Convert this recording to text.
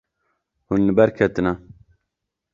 Hûn li ber ketine.